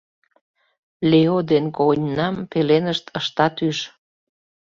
Лео ден когыньнам пеленышт ыштат ӱж.